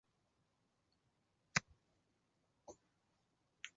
越南男性使用垫名还有区别宗族的功能。